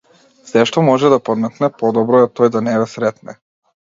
Сешто може да подметне подобро е тој да не ве сретне.